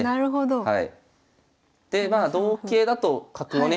はい。